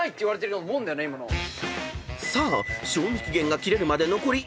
［さあ賞味期限が切れるまで］